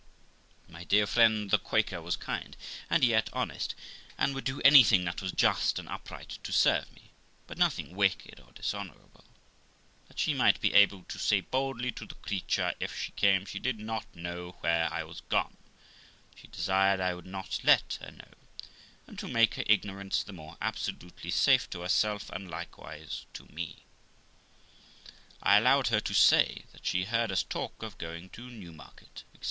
My dear friend the Quaker was kind, and yet honest, and would do anything that was just and upright to serve me, but nothing wicked or dishonourable. That she might be able to say boldly to the creature, if she came, she did not know where I was gone, she desired I would not let her know ; and to make her ignorance the more absolutely safe to herself, and likewise to me, I allowed her to say that she heard us talk of going to Newmarket, etc.